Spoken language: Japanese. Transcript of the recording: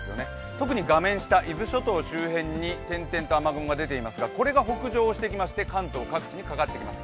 特に画面下、伊豆諸島周辺に点々と雨雲が出ていますが、これが北上してきまして関東各地にかかってきます。